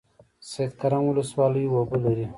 سید کرم ولسوالۍ اوبه لري؟